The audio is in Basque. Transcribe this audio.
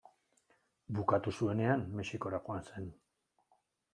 Bukatu zuenean Mexikora joan zen.